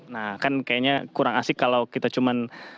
nah kan kayaknya kurang asik kalau kita cuman